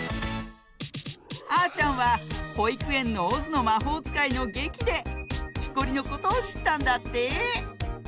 あーちゃんはほいくえんの「オズのまほうつかい」のげきできこりのことをしったんだって。